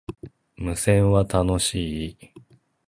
無線は、楽しい